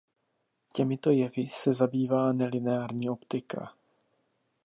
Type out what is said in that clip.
Těmito jevy se zabývá nelineární optika.